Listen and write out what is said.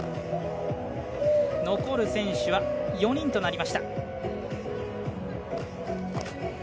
残る選手は４人となりました。